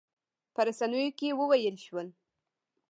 په رسنیو کې وویل شول.